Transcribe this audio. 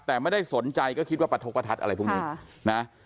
แต่ไม่ได้สนใจก็คิดว่าประทกประทัดอะไรพวกนี้นะ